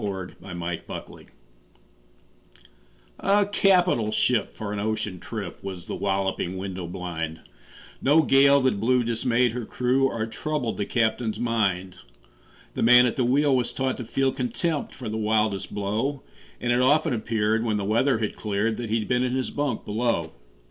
Y Z A Nautical Ballad A CAPITAL ship for an ocean trip Was The Walloping Window blind No gale that blew dismayed her crew Or troubled the captain's mind. The man at the wheel was taught to feel Contempt for the wildest blow, And it often appeared, when the weather had cleared, That he'd been in his bunk below.